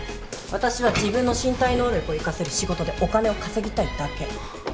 私は自分の身体能力を生かせる仕事でお金を稼ぎたいだけ。